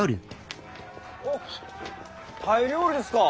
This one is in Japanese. おおタイ料理ですか。